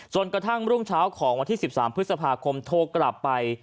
จนกระทั่งวันที่๑๓พฤษภาคมโทรกลับไป